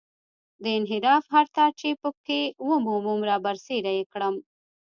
د انحراف هر تار چې په کې ومومم رابرسېره یې کړم.